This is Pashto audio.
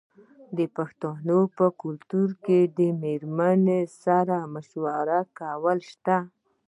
د پښتنو په کلتور کې د میرمنې سره مشوره کول شته.